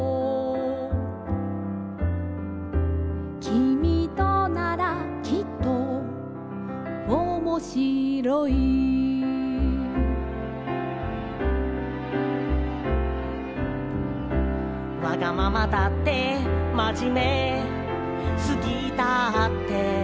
「君とならきっとおもしろい」「わがままだってまじめすぎだって」